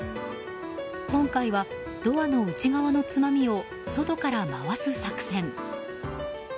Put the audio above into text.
今回は、ドアの内側のつまみを外から回す作戦。